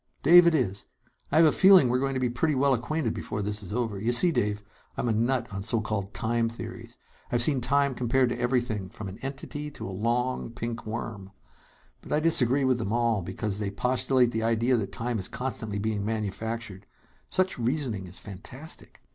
"Dave it is. I have a feeling we're going to be pretty well acquainted before this is over. You see, Dave, I'm a nut on so called 'time theories.' I've seen time compared to everything from an entity to a long, pink worm. But I disagree with them all, because they postulate the idea that time is constantly being manufactured. Such reasoning is fantastic!